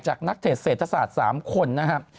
นักเทศเศรษฐศาสตร์๓คนนะครับ